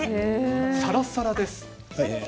さらさらです。